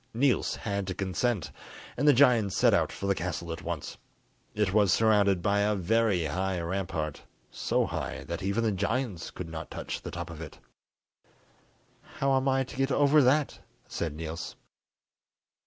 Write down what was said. Niels had to consent, and the giants set out for the castle at once. It was surrounded by a very high rampart, so high that even the giants could not touch the top of it. "How am I to get over that?" said Niels.